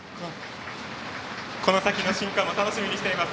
この先の進化も楽しみにしています。